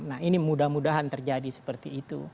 nah ini mudah mudahan terjadi seperti itu